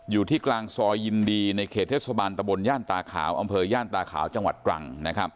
อยู่ที่กลางซอยยินดีในเขตเทศบาลตะบนย่านตาขาวอำเภอย่านตาขาวจังหวัดตรัง